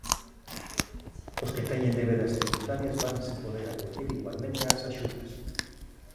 Os que teñan débedas tributarias vanse poder acoller igualmente ás axudas.